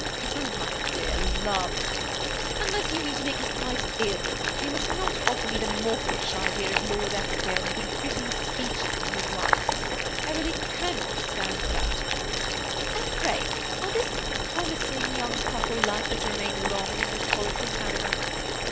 ^< Oh, my dear love 1 unless you mean to make me quite ill, you must not offer me the mawkish idea of Lord Eskdale making pretty speeches to his wife; I really cannot stand that And pray, are this promising THE SIfflft AlTACHBD COUPLE. 67 young couple likelj to remain long in their solitary paradise